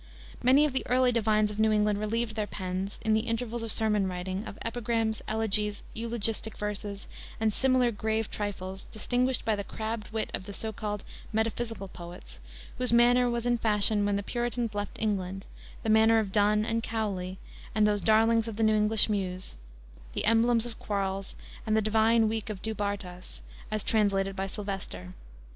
Many of the early divines of New England relieved their pens, in the intervals of sermon writing, of epigrams, elegies, eulogistic verses, and similar grave trifles distinguished by the crabbed wit of the so called "metaphysical poets," whose manner was in fashion when the Puritans left England; the manner of Donne and Cowley, and those darlings of the New English muse, the Emblems of Quarles and the Divine Week of Du Bartas, as translated by Sylvester.